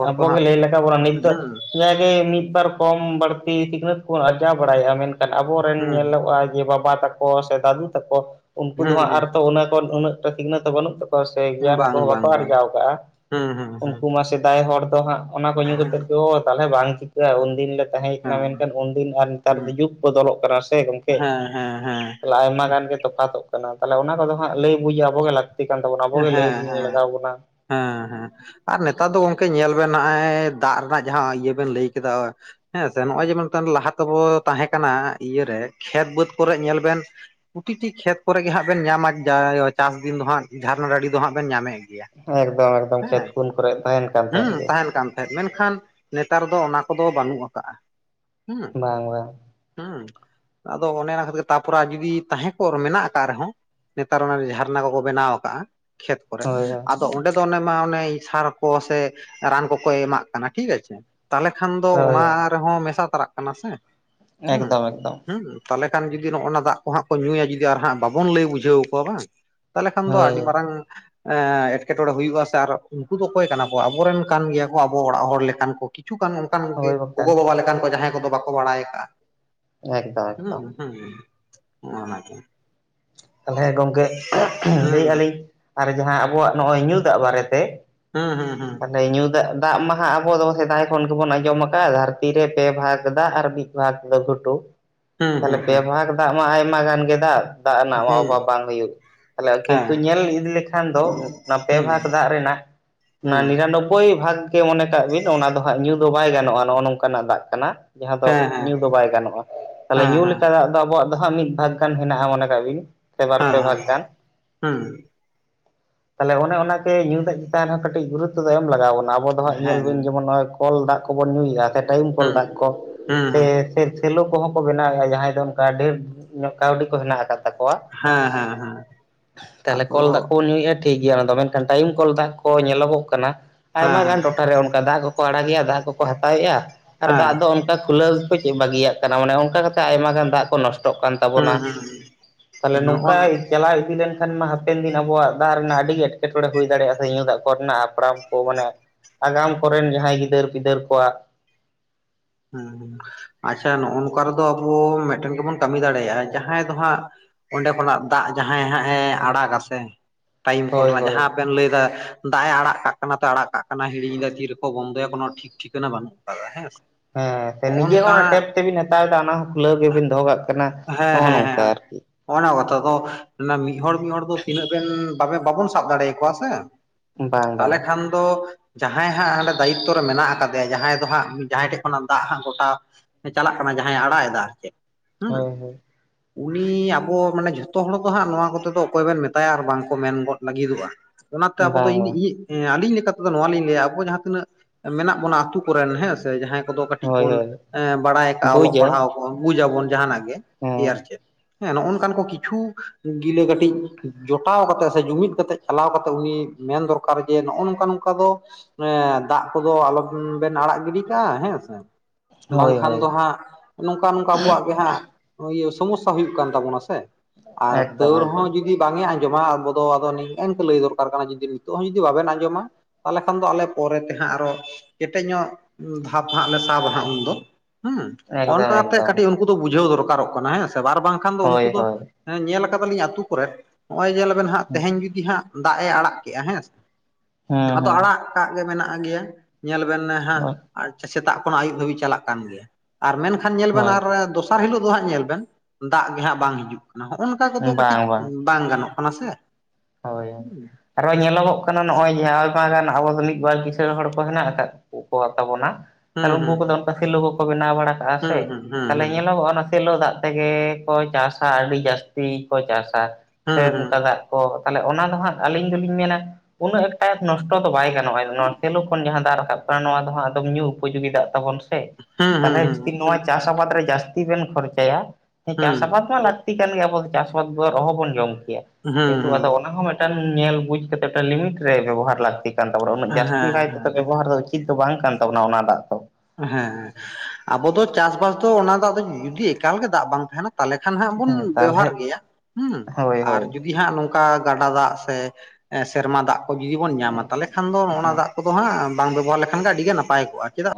ᱟᱵᱚᱜᱮ ᱞᱟᱹᱭ ᱞᱮᱠᱟ ᱵᱚᱱᱟ ᱱᱤᱛ ᱫᱚ ᱡᱟᱜᱮ ᱢᱤᱫ ᱵᱟᱨ ᱠᱚᱢ ᱵᱟᱹᱲᱛᱤ ᱥᱤᱠᱷᱱᱟᱹᱛ ᱵᱚ ᱟᱨᱡᱟᱣ ᱵᱟᱲᱟᱭᱮᱫᱼᱟ ᱢᱮᱱᱠᱷᱟᱱ ᱟᱵᱚᱨᱮᱱ ᱦᱩᱸ ᱧᱮᱞᱚᱜᱼᱟ ᱡᱮ ᱵᱟᱵᱟ ᱛᱟᱠᱚ ᱜᱚ ᱥᱮ ᱫᱟᱫᱩ ᱛᱟᱠᱚ ᱩᱱᱠᱩ ᱫᱚ ᱦᱟᱸᱜ ᱦᱩᱸ ᱟᱨ ᱛᱚ ᱚᱱᱟᱹ ᱠᱷᱚᱱ ᱩᱱᱟᱹᱜ ᱴᱟ ᱥᱤᱠᱷᱱᱟᱹᱛ ᱫᱚ ᱵᱟᱹᱱᱩᱜ ᱛᱟᱠᱚ ᱩᱯᱟᱹᱨ ᱥᱮ ᱦᱩᱸ ᱜᱮᱭᱟᱱ ᱵᱟᱝ ᱠᱚᱦᱚᱸ ᱵᱟᱠᱚ ᱵᱟᱝ ᱵᱟᱝ ᱟᱨᱡᱟᱣ ᱠᱟᱜᱼᱟ, ᱦᱩᱸ ᱦᱩᱸ ᱦᱩᱸ ᱩᱱᱠᱩ ᱢᱟ ᱥᱤᱯ ᱦᱚᱲ ᱫᱚ ᱦᱟᱸᱜ ᱚᱱᱟ ᱠᱚ ᱧᱩ ᱠᱟᱛᱮᱫᱚ ᱛᱟᱦᱞᱮ ᱵᱟᱝ ᱪᱤᱠᱟᱹᱜᱼᱟ ᱩᱱᱫᱤᱱᱞᱮ ᱛᱟᱦᱮᱸ ᱠᱟᱱᱟ ᱦᱮᱸ ᱢᱮᱱᱠᱷᱟᱱ ᱩᱱᱫᱤᱱ ᱟᱨ ᱱᱮᱛᱟᱨ ᱫᱚ ᱡᱩᱜᱽ ᱵᱚᱫᱚᱞᱚᱜ ᱠᱟᱱᱟ ᱥᱮ ᱜᱚᱢᱠᱮ ᱦᱮᱸ ᱾ ᱦᱮᱸ ᱦᱮᱸ ᱦᱮᱸ ᱞᱟᱭ ᱟᱭᱢᱟ ᱜᱟᱱ ᱜᱮ ᱛᱚᱯᱷᱟᱛᱚᱜ ᱠᱟᱱᱟ ᱛᱟᱦᱚᱞᱮ ᱚᱱᱟ ᱠᱚᱫᱚ ᱦᱟᱸᱜ ᱞᱟᱹᱭ ᱵᱩᱡ ᱟᱵᱚᱜᱮ ᱞᱟᱹᱠ ᱦᱮᱸ ᱦᱮᱸ᱾ ᱦᱮᱸ ᱦᱮᱸ, ᱟᱨ ᱱᱮᱛᱟᱨ ᱫᱚ ᱜᱚᱝᱠᱮ ᱧᱮᱞ ᱵᱮᱱ ᱱᱟᱜᱼᱟᱭ ᱫᱟᱜ ᱨᱮᱱᱟᱜ ᱡᱟᱦᱟᱸ ᱤᱭᱟᱹ ᱵᱮᱱ ᱞᱟᱹᱭ ᱠᱮᱫᱟ ᱦᱮᱸ ᱥᱮ ᱱᱚᱜ ᱚᱭ ᱡᱮ ᱢᱮᱱᱛᱟᱱ ᱞᱟᱦᱟ ᱛᱮᱵᱚ ᱛᱟᱦᱮᱸ ᱠᱟᱱᱟ ᱤᱭᱟᱹᱨᱮ ᱠᱷᱮᱛ ᱵᱟᱹᱫᱽ ᱠᱚᱨᱮᱜ ᱧᱮᱞ ᱵᱮᱱ ᱯᱩᱴᱤᱴᱤ ᱠᱷᱮᱛ ᱠᱚᱨᱮ ᱜᱮ ᱦᱟᱸᱜ ᱵᱮᱱ ᱧᱟᱢᱟ ᱡᱟᱭ ᱪᱟᱥ ᱫᱤᱱ ᱫᱚ ᱦᱟᱸᱜ ᱡᱷᱟᱨᱱᱟ ᱰᱟᱹᱰᱤ ᱫᱚ ᱦᱟᱸᱜ ᱵᱮᱱ ᱧᱟᱢᱮᱜ ᱮᱠᱫᱚᱢ ᱮᱠᱫᱚᱢ ᱠᱷᱮᱛ ᱠᱩᱱ ᱠᱚᱨᱮᱜ ᱛᱟᱦᱮᱸᱱ ᱠᱟᱱ ᱛᱟᱦᱮᱸᱱ ᱜᱮᱭᱟ ᱾ ᱛᱟᱦᱮᱱ ᱠᱟᱱ ᱦᱮᱸ ᱢᱮᱱᱠᱷᱟᱱ ᱱᱮᱛᱟᱨ ᱫᱚ ᱚᱱᱟ ᱠᱚᱫᱚ ᱵᱟᱹᱱᱩᱜ ᱠᱟᱜᱼᱟ, ᱦᱩᱸ! ᱵᱟᱝ ᱵᱟᱝ ᱦᱮᱸ, ᱟᱫᱚ ᱚᱱᱮ ᱚᱱᱟ ᱠᱷᱟᱹᱛᱤᱨ ᱛᱟᱯᱚᱨᱟ ᱟᱨ ᱡᱩᱫᱤ ᱛᱟᱦᱮᱸ ᱠᱚᱜ ᱨᱮ ᱢᱮᱱᱟᱜ ᱟᱠᱟᱜ ᱨᱮᱦᱚᱸ ᱱᱮᱛᱟᱨ ᱚᱱᱟ ᱡᱷᱟᱨᱱᱟ ᱠᱚᱠᱚ ᱵᱮᱱᱟᱣ ᱠᱟᱜᱼᱟ ᱠᱷᱮᱛ ᱠᱚᱨᱮᱫ, ᱦᱳᱭ ᱦᱳᱭ ᱟᱫᱚ ᱚᱸᱰᱮ ᱫᱚ ᱚᱱᱮ ᱢᱟ ᱚᱱᱮ ᱥᱟᱨ ᱠᱚ ᱥᱮ ᱨᱟᱱ ᱠᱚᱠᱚ ᱮᱢᱟᱜ ᱠᱟᱱᱟ ᱴᱷᱤᱠ ᱟᱪᱷᱮ, ᱛᱟᱦᱞᱮ ᱠᱷᱟᱱ ᱫᱚ ᱦᱳᱭ ᱚᱱᱟ ᱨᱮᱦᱚᱸ ᱢᱮᱥᱟ ᱛᱟᱨᱟᱜ ᱠᱟᱱᱟ ᱥᱮ ᱾ ᱦᱩᱸ ᱮᱠᱫᱚᱢ ᱮᱠᱫᱚᱢ ᱦᱩᱸ! ᱛᱟᱦᱞᱮ ᱠᱷᱟᱱ ᱡᱩᱫᱤ ᱱᱚᱜᱼᱚ ᱱᱚᱣᱟ ᱫᱟᱜ ᱠᱚ ᱦᱟᱸᱜ ᱠᱚ ᱧᱩᱭᱟ ᱡᱩᱫᱤ ᱟᱨ ᱦᱟᱸᱜ ᱵᱟᱵᱚᱱ ᱞᱟᱹᱭ ᱵᱩᱡᱷᱟᱹᱣ ᱠᱚᱣᱟ ᱵᱟᱝ, ᱛᱟᱦᱞᱮ ᱠᱷᱟᱱ ᱫᱚ ᱟ ᱦᱳᱭ ᱦᱩᱸ ᱾ ᱮ ᱮᱴᱠᱮᱴᱚᱬᱮ ᱦᱩᱭᱩᱜᱼᱟ ᱥᱮ ᱟᱨ ᱦᱚ, ᱩᱱᱠᱩ ᱫᱚ ᱚᱠᱚᱭ ᱠᱟᱱᱟ ᱠᱚ? ᱟᱵᱚᱨᱮᱱ ᱠᱟᱱ ᱜᱮᱭᱟ ᱠᱚ ᱟᱵᱚ ᱚᱲᱟᱜ ᱦᱚᱲ ᱞᱮᱠᱟᱱ ᱠᱚ ᱠᱤᱪᱷᱩ ᱜᱟᱱ ᱚᱱ ᱠᱟᱱ ᱠᱚᱜᱮ ᱦᱳᱭ ᱵᱟᱠᱷᱟᱱ ᱜᱚᱜᱚᱼᱵᱟᱵᱟ ᱞᱮᱠᱟᱱ ᱠᱚ ᱡᱟᱦᱟᱸᱭ ᱠᱚᱫᱚ ᱵᱟᱠᱚ ᱵᱟᱲᱟᱭ ᱠᱟᱜᱼᱟ᱾ ᱮᱠᱫᱚᱢ ᱮᱠᱫᱚᱢ ᱾ ᱦᱩᱸ, ᱦᱚᱜᱼᱚᱱᱟ ᱜᱮ ᱾ ᱛᱟᱞᱚᱦᱮ ᱜᱚᱝᱠᱮ ᱞᱟᱹᱭᱮᱜᱼᱟ ᱦᱩᱸ ᱞᱤᱧ ᱟᱨ ᱡᱟᱦᱟᱸ ᱟᱵᱚᱣᱟᱜ ᱱᱚᱜᱼᱚᱭ ᱧᱩ ᱫᱟᱜ ᱵᱟᱨᱮ ᱛᱮ ᱾ ᱦᱩᱸ ᱦᱩᱸ ᱦᱩᱸ ᱾ ᱨᱮ ᱧᱩ ᱫᱟᱜ ᱫᱟᱜ ᱢᱟᱦᱟᱜ ᱟᱵᱚ ᱫᱚ ᱥᱮᱫᱟᱭ ᱠᱷᱚᱱ ᱜᱮᱵᱚᱱ ᱟᱸᱡᱚᱢ ᱟᱠᱟᱜᱼᱟ ᱫᱷᱟᱹᱨᱛᱤ ᱨᱮ ᱯᱮ ᱵᱷᱟᱜᱽ ᱫᱟᱜ ᱟᱨ ᱢᱤᱫ ᱵᱷᱟᱜᱽ ᱫᱚ ᱜᱷᱩᱴᱩ ᱾ ᱦᱩᱸ ᱛᱟᱦᱚᱞᱮ ᱦᱩᱸ ᱯᱮ ᱵᱷᱟᱜᱽ ᱫᱟᱜ ᱢᱟ ᱟᱭᱢᱟ ᱜᱟᱱ ᱜᱮ ᱫᱟᱜ ᱫᱟᱜ ᱨᱮᱱᱟᱜ ᱦᱩᱸ ᱢᱟ ᱦᱩᱸ ᱚᱵᱷᱟᱵ ᱵᱟᱝ ᱦᱩᱭᱩᱜ ᱛᱟᱦᱞᱮ ᱠᱤᱱᱛᱩ ᱦᱮᱸ ᱧᱮᱞ ᱤᱫᱤ ᱞᱮᱠᱷᱟᱱ ᱫᱚ ᱚᱱᱟ ᱯᱮ ᱦᱩᱸ ᱵᱷᱟᱜᱽ ᱫᱟᱜ ᱨᱮᱱᱟᱜ ᱚᱱᱟ ᱦᱩᱸ ᱱᱤᱨᱟᱱᱚᱵᱵᱚᱭ ᱵᱷᱟᱜᱽ ᱜᱮ ᱢᱚᱱᱮ ᱠᱟᱜ ᱵᱤᱱ ᱚᱱᱟ ᱫᱚ ᱦᱟᱸᱜ ᱧᱩ ᱫᱚ ᱵᱟᱭ ᱜᱟᱱᱚᱜᱼᱟ ᱱᱚᱜᱼᱚ ᱱᱚᱝᱠᱟᱱᱟᱜ ᱫᱟᱜ ᱠᱟᱱᱟ ᱾ ᱡᱟᱦᱟᱸ ᱫᱚ ᱦᱮᱸ ᱧᱩ ᱫᱚ ᱵᱟᱭ ᱜᱟᱱᱚᱜᱼᱟ, ᱛᱟᱦᱚᱞᱮ ᱦᱮᱸ ᱧᱩ ᱦᱮᱸ ᱞᱮᱠᱟ ᱫᱟᱜ ᱫᱚ ᱟᱵᱚᱣᱟᱜ ᱫᱚ ᱦᱟᱸᱜ ᱢᱤᱫ ᱵᱷᱟᱜᱽ ᱜᱟᱱ ᱦᱮᱱᱟᱜᱼᱟ ᱢᱚᱱᱮ ᱠᱟᱜ ᱵᱤᱱ, ᱥᱮ ᱦᱮᱸ ᱵᱟᱨ ᱯᱮ ᱦᱮᱸ ᱵᱷᱟᱜᱽ ᱜᱟᱱ ᱾ ᱛᱟᱞᱦᱮ ᱚᱱᱮ ᱚᱱᱟ ᱜᱮ ᱧᱩ ᱫᱟᱜ ᱪᱮᱛᱟᱱ ᱨᱮᱦᱚᱸ ᱠᱟᱹᱴᱤᱡ ᱜᱩᱨᱩᱛᱚ ᱫᱚ ᱮᱢ ᱞᱟᱜᱟᱣ ᱵᱚᱱᱟ, ᱟᱵᱚ ᱫᱚ ᱦᱟᱸᱜ ᱦᱮᱸ ᱦᱩᱸ ᱧᱮᱞ ᱦᱮᱸ ᱵᱤᱱ ᱡᱮᱢᱚᱱ ᱱᱚᱜᱼᱚᱭ ᱠᱚᱞ ᱫᱟᱜ ᱠᱚᱵᱚᱱ ᱧᱩᱭᱮᱜ-ᱟ, ᱥᱮ ᱴᱟᱭᱤᱢ ᱠᱚᱞ ᱦᱩᱸ ᱫᱟᱜ ᱠᱚ, ᱦᱩᱸ ᱦᱩᱸ ᱥᱮ ᱪᱮᱫ? ᱥᱮᱞᱳ ᱠᱚᱦᱚᱸ ᱠᱚ ᱵᱮᱱᱟᱣᱮᱜᱼᱟ ᱡᱟᱦᱟᱸᱭ ᱫᱚ ᱚᱱᱠᱟ ᱰᱷᱮᱨ ᱧᱚᱜ ᱠᱟᱹᱣᱰᱤ ᱠᱚ ᱦᱮᱱᱟᱜ ᱟᱠᱟᱫ ᱛᱟᱠᱚᱣᱟ ᱦᱮᱸ ᱦᱮᱸ ᱦᱮᱸ ᱾ ᱛᱟᱦᱞᱮ ᱟᱫᱚ ᱠᱚᱞ ᱫᱟᱜ ᱠᱚ ᱵᱚᱱ ᱧᱩᱭᱮᱜᱼᱟ ᱴᱷᱤᱠ ᱜᱮᱭᱟ ᱚᱱᱟ ᱫᱚ, ᱢᱮᱱᱠᱷᱟᱱ ᱴᱟᱭᱤᱢ ᱠᱚᱞ ᱫᱟᱜ ᱠᱚ ᱧᱮᱞᱚᱜᱚᱜ ᱠᱟᱱᱟ ᱟᱭᱢᱟ ᱦᱮᱸ ᱜᱟᱱ ᱴᱚ ᱴᱷᱟ ᱨᱮ ᱚᱱᱠᱟ ᱫᱟᱜ ᱠᱚᱠᱚ ᱟᱲᱟᱜᱮᱜ-ᱟ, ᱫᱟᱜ ᱠᱚᱠᱚ ᱦᱟᱛᱟᱣᱮᱜᱼᱟ ᱦᱮᱸ ᱟᱨ ᱦᱮᱸ ᱫᱟᱜ ᱫᱚ ᱚᱱᱠᱟ ᱠᱷᱩᱞᱟᱹᱣ ᱜᱮᱠᱚ ᱪᱤᱢ ᱵᱟᱹᱜᱤᱭᱟᱜ ᱠᱟᱱᱟ ᱚᱱᱮ ᱚᱱᱠᱟ ᱠᱟᱛᱮ ᱟᱭᱢᱟ ᱜᱟᱱ ᱫᱟᱜ ᱠᱚ ᱱᱚᱥ ᱴᱚᱜ ᱠᱟᱱ ᱛᱟᱵᱚᱱᱟ ᱦᱩᱸ ᱦᱩᱸ ᱾ ᱛᱟᱞᱦᱮ ᱱᱚᱜᱼᱚᱱ ᱱᱚᱝᱠᱟ ᱪᱟᱞᱟᱣ ᱤᱫᱤ ᱞᱮᱱ ᱠᱷᱟᱱ ᱢᱟ ᱦᱟᱯᱮᱱ ᱫᱤᱱ ᱟᱵᱚᱣᱟᱜ ᱫᱟᱜ ᱨᱮᱱᱟᱜ ᱟᱹᱰᱤ ᱜᱮ ᱮᱴᱠᱮᱴᱚᱬᱮ ᱦᱩᱭ ᱫᱟᱲᱮᱭᱟᱜᱼᱟ ᱥᱮ ᱧᱩ ᱫᱟᱜ ᱠᱚ ᱨᱮᱱᱟᱜ ᱦᱟᱯᱲᱟᱢ ᱠᱚ ᱢᱟᱱᱮ ᱟᱜᱟᱢ ᱠᱚᱨᱮᱱ ᱡᱟᱦᱟᱸᱭ ᱜᱤᱫᱟᱹᱨ ᱯᱤᱫᱟᱹᱨ ᱠᱚᱣᱟᱜ ᱦᱮᱸ, ᱟᱪᱪᱷᱟ ᱱᱚᱜᱼᱚ ᱱᱚᱝᱠᱟ ᱨᱮᱫᱚ ᱟᱵᱚ ᱢᱤᱫᱴᱮᱱ ᱜᱮᱵᱚᱱ ᱠᱟᱹᱢᱤ ᱫᱟᱲᱮᱭᱟᱜᱼᱟ, ᱡᱟᱦᱟᱸᱭ ᱫᱚ ᱦᱟᱸᱜ ᱚᱸᱰᱮ ᱠᱷᱚᱱᱟᱜ ᱫᱟᱜ ᱡᱟᱦᱟᱸᱭ ᱦᱟᱸᱜ ᱮ ᱟᱲᱟᱜᱟᱥᱮ ᱴᱟᱭᱤᱢ ᱠᱚᱞ ᱦᱳᱭ ᱨᱮᱱᱟᱜ ᱦᱳᱭ ᱡᱟᱦᱟᱸ ᱵᱮᱱ ᱞᱟᱹᱭᱫᱟ ᱫᱟᱜ ᱮ ᱟᱲᱟᱜ ᱠᱟᱜ ᱠᱟᱱᱟ ᱛᱚ ᱟᱲᱟᱜ ᱠᱟᱜ ᱠᱟᱱᱟ ᱦᱤᱲᱤᱧ ᱮᱫᱟᱭ ᱛᱤᱨᱮᱠᱚ ᱵᱚᱱᱫᱚᱭᱟ ᱠᱳᱱᱳ ᱴᱷᱤᱠ ᱴᱷᱤᱠᱟᱹᱱᱟ ᱵᱟᱹᱱᱩᱜ ᱟᱠᱟᱫᱟ, ᱦᱮᱸ ᱥᱮ ᱾ ᱦᱮᱸ, ᱥᱮ ᱱᱤᱡᱮ ᱦᱚᱸ ᱚᱱᱟ ᱴᱮᱯ ᱛᱮᱵᱤᱱ ᱦᱟᱛᱟᱣ ᱮᱫᱟ ᱚᱱᱟ ᱦᱚᱸ ᱠᱷᱩᱞᱟᱹᱣ ᱜᱮᱵᱤᱱ ᱫᱚᱦᱚ ᱠᱟᱜ ᱠᱟᱱᱟ, ᱱᱚᱜᱼᱚ ᱱᱚᱝᱠᱟ ᱟᱨᱠᱤ ᱾ ᱦᱚᱜᱼᱚ ᱱᱚᱣᱟ ᱠᱟᱛᱷᱟ ᱟᱫᱚ ᱢᱤᱫ ᱦᱚᱲ ᱢᱤᱫ ᱦᱚᱲ ᱫᱚ ᱛᱤᱱᱟᱹᱜ ᱵᱮᱱ ᱵᱟᱵᱮᱱ ᱵᱟᱵᱚᱱ ᱥᱟᱵ ᱫᱟᱲᱮᱭᱟᱠᱚᱣᱟ ᱥᱮ! ᱵᱟᱝ ᱛᱟᱦᱚᱞᱮ ᱵᱟᱝ ᱠᱷᱟᱱ ᱛᱚ ᱡᱟᱦᱟᱸᱭ ᱦᱟᱸᱜ ᱦᱟᱸᱰᱮ ᱫᱟᱭᱤᱛᱛᱚ ᱨᱮ ᱢᱮᱱᱟᱜ ᱟᱠᱟᱫᱮᱭᱟ, ᱡᱟᱦᱟᱸᱭ ᱫᱚ ᱦᱟᱸᱜ ᱡᱟᱦᱟᱸᱭ ᱴᱷᱮᱱ ᱠᱷᱚᱱᱟᱜ ᱫᱟᱜ ᱦᱟᱸᱜ ᱜᱚᱴᱟ ᱪᱟᱞᱟᱜ ᱠᱟᱱᱟ ᱡᱟᱦᱟᱸᱭᱮ ᱟᱲᱟᱜ ᱮᱫᱟ ᱟᱨ ᱪᱮᱫ, ᱦᱩᱸ! ᱦᱳᱭ ᱦᱳᱭ ᱩᱱᱤ ᱟᱵᱚ ᱢᱟᱱᱮ ᱡᱷᱚᱛᱚ ᱦᱚᱲ ᱫᱚ ᱦᱟᱸᱜ ᱱᱚᱣᱟ ᱠᱚᱛᱮ ᱫᱚ ᱚᱠᱚᱭ ᱵᱮᱱ ᱢᱮᱛᱟᱭᱟ ᱟᱨ ᱵᱟᱝᱠᱚ ᱢᱮᱱ ᱜᱚᱫ ᱞᱟᱹᱜᱤᱫᱚᱜᱼᱟ ᱾ ᱚᱱᱟᱛᱮ ᱵᱟᱝ ᱟᱵᱚ ᱫᱚ ᱵᱟᱝ ᱤᱧ ᱤᱫ ᱟᱹᱞᱤᱧ ᱞᱮᱠᱟᱛᱮᱫᱚ ᱱᱚᱣᱟ ᱞᱤᱧ ᱞᱟᱹᱭ-ᱟ ᱟᱵᱚ ᱡᱟᱦᱟᱸ ᱛᱤᱱᱟᱹᱜ ᱢᱮᱱᱟᱜ ᱵᱚᱱᱟ ᱟᱛᱩ ᱠᱚᱨᱮᱱ ᱦᱮᱸ ᱥᱮ ᱡᱟᱦᱟᱸᱭ ᱠᱚᱫᱚ, ᱴᱤᱡ ᱦᱳᱭ ᱵᱚᱱ ᱦᱳᱭ ᱮ ᱵᱟᱲᱟᱭ ᱠᱟᱜᱼᱟ ᱚᱞᱚᱜ ᱵᱩᱡᱟ ᱯᱟᱲᱦᱟᱣ ᱠᱚᱦᱚ ᱵᱩᱡᱽ ᱟᱵᱚᱱ ᱡᱟᱦᱟᱱᱟᱜ ᱜᱮ ᱮᱭᱟᱨ ᱦᱮᱸ ᱪᱮᱫ, ᱦᱮᱸ ᱱᱚᱜᱼᱚ ᱱᱚᱝᱠᱟᱱ ᱠᱚ ᱠᱤᱪᱷᱩ, ᱰᱤᱞᱟᱹ ᱠᱟᱹᱴᱤᱡ ᱡᱚᱴᱟᱣ ᱠᱟᱛᱮ ᱥᱮ ᱡᱩᱢᱤᱫ ᱠᱟᱛᱮᱜ ᱪᱟᱞᱟᱣ ᱠᱟᱛᱮ ᱩᱱᱤ ᱢᱮᱱ ᱫᱚᱨ ᱠᱟᱨ ᱡᱮ ᱱᱚᱜᱼᱚ ᱱᱚᱝᱠᱟ ᱱᱚᱝᱠᱟ ᱫᱚ ᱮ ᱫᱟᱜ ᱠᱚᱫᱚ ᱟᱞᱚᱵᱮᱱ ᱟᱲᱟᱜ ᱜᱤᱰᱤ ᱠᱟᱜᱼᱟ ᱦᱮᱸᱥᱮ᱾ ᱦᱳᱭ ᱵᱟᱝᱠᱷᱟᱱ ᱦᱳᱭ ᱫᱚ ᱦᱟᱸᱜ ᱱᱚᱝᱠᱟᱼᱱᱚᱝᱠᱟ ᱟᱵᱚᱣᱟᱜ ᱜᱮ ᱦᱟᱸᱜ ᱤᱭᱟᱹ ᱥᱚᱢᱚᱥᱥᱟ ᱦᱩᱭᱩᱜ ᱠᱟᱱ ᱛᱟᱵᱚᱱᱟ ᱥᱮ᱾ ᱟᱨ ᱮᱠᱫᱚᱢ ᱛᱟᱹᱣ ᱨᱮ ᱦᱚᱸ ᱮᱠᱫᱚᱢ ᱡᱩᱫᱤ, ᱵᱟᱝ ᱮ ᱟᱸᱡᱚᱢᱟ ᱟᱵᱚᱫᱚ ᱟᱫᱚ ᱱᱮᱝᱠᱟᱹ ᱞᱟᱹᱭ ᱫᱚᱨᱠᱟᱨ ᱠᱟᱱᱟ ᱡᱩᱫᱤ ᱱᱤᱛᱚᱜ ᱦᱚᱸ ᱡᱩᱫᱤ ᱵᱟᱵᱮᱱ ᱟᱸᱡᱚᱢᱟ᱾ ᱛᱟᱦᱞᱮ ᱠᱷᱟᱱ ᱫᱚ ᱟᱞᱮ ᱯᱚᱨᱮ ᱛᱮ ᱦᱟᱸᱜ ᱟᱨᱚ ᱠᱮᱴᱮᱡ ᱧᱚᱜ ᱫᱷᱟᱯ ᱦᱟᱸᱜ ᱞᱮ ᱥᱟᱵᱟ ᱦᱟᱸᱜ ᱩᱱᱫᱚ᱾ ᱦᱩᱸ ᱚᱱᱠᱟ ᱮᱠᱫᱚᱢ ᱠᱟᱛᱮᱜ ᱮᱠᱫᱚᱢ ᱠᱟᱹᱴᱤᱡ ᱩᱱᱠᱩ ᱫᱚ ᱵᱩᱡᱷᱟᱹᱣ ᱫᱚᱨᱠᱟᱨᱚᱜ ᱠᱟᱱᱟ ᱦᱮᱸ ᱥᱮ ᱟᱨ ᱵᱟᱝᱠᱷᱟᱱ ᱫᱚ ᱦᱳᱭ ᱩᱱᱠᱩ ᱫᱚ ᱦᱳᱭ ᱧᱮᱞ ᱟᱠᱟᱫᱟᱞᱤᱧ ᱟᱛᱩ ᱠᱚᱨᱮᱫ, ᱦᱚᱜᱼᱚᱭ ᱧᱮᱞ ᱵᱮᱱ ᱦᱟᱸᱜ ᱦᱩᱸ ᱛᱮᱦᱮᱧ ᱡᱩᱫᱤ ᱦᱟᱸᱜ ᱫᱟᱜ-ᱮ ᱟᱲᱟᱜ ᱠᱮᱜᱼᱟ ᱦᱮᱸ ᱥᱮ ᱟᱫᱚ ᱦᱩᱸ ᱟᱲᱟᱜ, ᱠᱟᱜ ᱜᱮ ᱢᱮᱱᱟᱜ ᱜᱮᱭᱟ ᱧᱮᱞ ᱵᱮᱱ ᱦᱟᱸᱜ ᱦᱳᱭ ᱥᱮᱛᱟᱜ ᱠᱷᱚᱱᱟᱜ ᱟᱹᱭᱩᱵ ᱫᱷᱟᱹᱵᱤᱡ ᱪᱟᱞᱟᱜ ᱠᱟᱱ ᱜᱮᱭᱟ᱾ ᱟᱨ ᱢᱮᱱᱠᱷᱟᱱ ᱧᱮᱞ ᱵᱮᱱ ᱟᱨ ᱦᱳᱭ ᱫᱚᱥᱟᱨ ᱦᱤᱞᱳᱜ ᱫᱚ ᱦᱟᱸᱜ ᱧᱮᱞ ᱵᱮᱱ ᱫᱟᱜ ᱜᱮ ᱦᱟᱸᱜ ᱵᱟᱝ ᱦᱤᱡᱩᱜ ᱠᱟᱱᱟ ᱦᱚᱜᱼᱚᱝᱠᱟ ᱠᱚᱫᱚ ᱠᱟᱹᱴᱤᱡ ᱵᱟᱝ ᱵᱟᱝ ᱜᱟᱱᱚᱜ ᱠᱟᱱᱟ ᱥᱮ? ᱦᱳᱭᱚ ᱟᱨᱚ ᱧᱮᱞᱚᱜᱚᱜ ᱠᱟᱱᱟ ᱱᱚᱜᱼᱚᱭ [unintelligible] ᱟᱵᱚ ᱫᱚ ᱢᱤᱫ ᱵᱟᱨ ᱠᱤᱥᱟᱹᱬ ᱦᱚᱲ ᱠᱚ ᱦᱮᱱᱟᱜ ᱟᱠᱟᱫ, ᱠᱳ ᱠᱚ ᱛᱟᱵᱚᱱᱟ᱾ ᱛᱟᱦᱞᱮ ᱦᱩᱸ ᱩᱱᱠᱩ ᱦᱩᱸ ᱠᱚᱫᱚ ᱚᱱᱠᱟ ᱥᱮᱞᱚ ᱠᱚᱠᱚ ᱵᱮᱱᱟᱣ ᱵᱟᱲᱟ ᱠᱟᱜᱼᱟ ᱦᱩᱸ ᱥᱮ ᱦᱩᱸ ᱦᱩᱸ ᱛᱟᱦᱮᱞᱮ ᱦᱩᱸ ᱧᱮᱞᱚᱜᱚᱜᱼᱟ ᱚᱱᱟ ᱥᱮᱞᱚ ᱫᱟᱜ ᱛᱮᱜᱮ ᱠᱚ ᱪᱟᱥ-ᱟ ᱟᱹᱰᱤ ᱡᱟᱹᱥᱛᱤ ᱠᱚ ᱪᱟᱥ-ᱟ ᱥᱮ ᱦᱩᱸ ᱚᱱᱠᱟᱫᱟᱜ, ᱚ ᱛᱟᱦᱞᱮ ᱚᱱᱟ ᱫᱚ ᱦᱟᱸᱜ ᱟᱹᱞᱤᱧ ᱜᱮᱞᱤᱧ ᱧᱮᱞᱟᱱ᱾ ᱩᱱᱟᱹᱜ ᱮᱠᱴᱟ ᱱᱚᱥᱴᱚ ᱫᱚ ᱵᱟᱭ ᱜᱟᱱᱚᱜᱼᱟ ᱱᱚᱣᱟ ᱥᱮᱞᱚ ᱠᱷᱚᱱ ᱡᱟᱦᱟᱸ ᱫᱟᱜ ᱨᱟᱠᱟᱵ ᱠᱟᱱᱟ ᱱᱚᱣᱟ ᱫᱚ ᱦᱟᱸᱜ ᱟᱫᱚᱢ ᱧᱩ ᱩᱯᱚᱡᱳᱜᱤ ᱫᱟᱜ ᱛᱟᱵᱚᱱ ᱦᱩᱸ [unintelligible] ᱦᱩᱸ ᱛᱟᱦᱞᱮ ᱦᱩᱸ ᱦᱩᱸ ᱡᱩᱫᱤ ᱱᱚᱣᱟ ᱪᱟᱥ ᱟᱵᱟᱫᱽ ᱨᱮ ᱡᱟᱹᱥᱛᱤ ᱵᱮᱱ ᱠᱷᱚᱨᱪᱟᱭᱟ ᱦᱩᱸ ᱪᱟᱥ ᱟᱵᱟᱫᱽ ᱢᱟ ᱛᱤ ᱠᱟᱱ ᱜᱮᱭᱟ ᱟᱵᱚᱣᱟᱜ ᱫᱚ ᱪᱟᱥᱵᱟᱫ ᱨᱚᱦᱚᱸ ᱵᱚᱱ ᱡᱚᱢ ᱠᱮᱭᱟ ᱦᱩᱸ ᱦᱩᱸ ᱠᱤᱱᱛᱩ ᱟᱫᱚ ᱦᱩᱸ ᱚᱱᱟ ᱦᱚᱸ ᱢᱤᱫᱴᱟᱝ ᱧᱮᱞ ᱵᱩᱡᱽ ᱠᱟᱛᱮ ᱴᱟᱝ ᱞᱤᱢᱤᱴ ᱨᱮ ᱵᱮᱵᱚᱦᱟᱨ ᱞᱟᱹᱠᱛᱤ ᱠᱟᱱ ᱛᱟᱵᱚᱱᱟ ᱩᱱᱟᱹᱜ ᱦᱮᱸ ᱡᱟᱹᱥᱛᱤ ᱠᱟᱭ ᱛᱮᱫᱚ ᱦᱮᱸ ᱵᱮᱵᱚᱦᱟᱨ ᱩᱪᱤᱛ ᱫᱚ ᱵᱟᱝ ᱠᱟᱱ ᱛᱟᱵᱚᱱᱟ ᱚᱱᱟ ᱫᱟᱜ ᱫᱚ᱾ ᱦᱮᱸ ᱟᱵᱚ ᱫᱚ ᱪᱟᱥᱵᱟᱥ ᱫᱚ ᱚᱱᱟ ᱫᱚ ᱟᱫᱚ ᱡᱩᱫᱤ ᱮᱠᱟᱞᱜᱮ ᱫᱟᱜ ᱵᱟᱝ ᱛᱟᱦᱮᱱᱟ, ᱛᱟᱦᱞᱮ ᱠᱷᱟᱱ ᱦᱟᱸᱜ ᱵᱚᱱ ᱦᱮᱸ ᱛᱟᱦᱚᱞᱮ ᱵᱮᱵᱽᱦᱟᱨ ᱜᱮᱭᱟ ᱦᱩᱸ ᱦᱳᱭ ᱟᱨ ᱦᱳᱭ ᱡᱩᱫᱤ, ᱡᱩᱫᱤ ᱦᱟᱸᱜ ᱱᱚᱝᱠᱟ ᱜᱟᱰᱟ ᱫᱟᱜ ᱥᱮ ᱥᱮᱨᱢᱟ ᱫᱟᱜ, ᱡᱩᱫᱤ ᱵᱚᱱ ᱧᱟᱢᱟ ᱛᱟᱦᱞᱮ ᱠᱷᱟᱱ ᱫᱚ ᱚᱱᱟ ᱦᱮᱸ ᱫᱟᱜ ᱠᱚᱫᱚ ᱦᱟᱸᱜ ᱵᱟᱝ ᱵᱮᱵᱚᱦᱟᱨ ᱞᱮᱠᱷᱟᱱ ᱜᱮ ᱟᱹᱰᱤᱜᱮ ᱱᱟᱯᱟᱭ ᱠᱚᱜᱼᱟ ᱪᱮᱫᱟᱜ